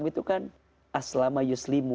itu kan aslama yuslimu